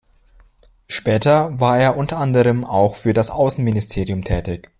Später war er unter anderem auch für das Außenministerium tätig.